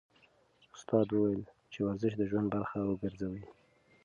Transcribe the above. استاد وویل چې ورزش د ژوند برخه وګرځوئ.